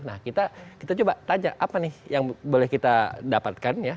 nah kita coba tanya apa nih yang boleh kita dapatkan ya